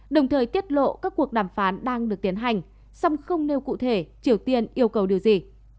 đồng thời tiết lộ các cuộc đàm phán đang được tiến hành song không nêu cụ thể triều tiên yêu cầu điều gì